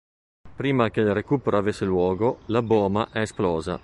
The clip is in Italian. Prima che il recuperò avesse luogo, la boma è esplosa".